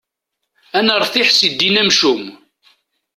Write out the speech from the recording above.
Ad nertiḥ si ddin amcum.